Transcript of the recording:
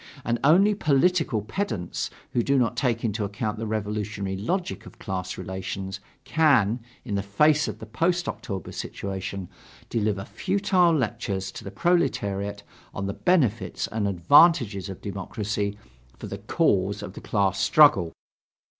And only political pedants who do not take into account the revolutionary logic of class relations, can, in the face of the post October situation, deliver futile lectures to the proletariat on the benefits and advantages of democracy for the cause of the class struggle.